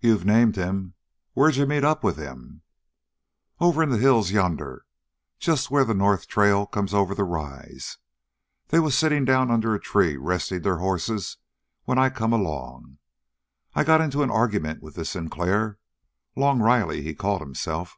"You've named him! Where'd you meet up with him?" "Over in the hills yonder, just where the north trail comes over the rise. They was sitting down under a tree resting their hosses when I come along. I got into an argument with this Sinclair Long Riley, he called himself."